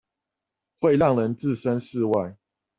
會讓人置身事外